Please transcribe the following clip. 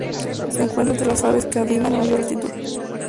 Se encuentra entre las aves que anidan a mayor altitud.